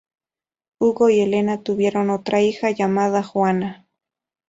Hugo y Helena tuvieron otra hija llamada Juana.